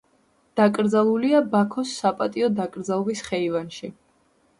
დაკრძალულია ბაქოს საპატიო დაკრძალვის ხეივანში.